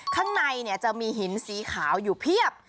ข้างในจะมีหินสีขาวอยู่เพียบ